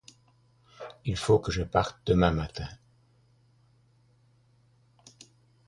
Il faut que je parte demain matin.